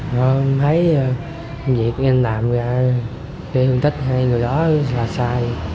rồi thấy công việc anh làm ra cái hương tích hai người đó là sai